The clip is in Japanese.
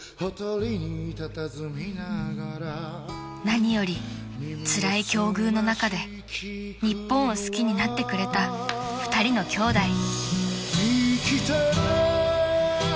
［何よりつらい境遇の中で日本を好きになってくれた２人のきょうだい］